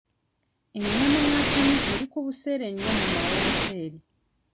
Ennyama y'akamyu eri ku buseere nnyo mu mawooteri.